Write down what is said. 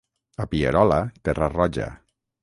A Pierola, terra roja.